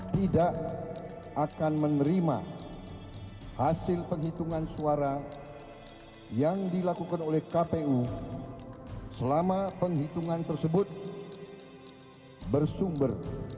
tidak akan menerima hasil penghitungan suara yang dilakukan oleh kpu selama penghitungan tersebut bersumber